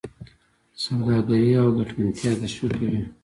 سوداګري او ګټمنتیا تشویقوي.